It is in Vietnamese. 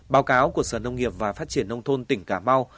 báo cáo của sở nông nghiệp và phát triển nông thôn tỉnh cà mau